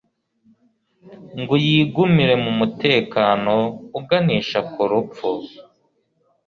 ngo yigumire mu mu mutekano uganisha ku rupfu.